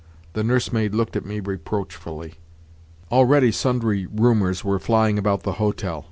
The nursemaid looked at me reproachfully. Already sundry rumours were flying about the hotel.